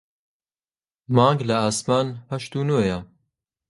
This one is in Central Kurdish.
مانگ لە ئاسمان هەشت و نۆیە